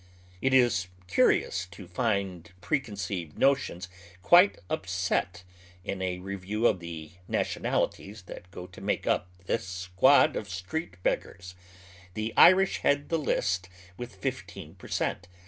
It is curious to find preconceived notions quite upset in a review of the nationalities that go to make up this squad of street beggars. The Irish head the list with fifteen per cent.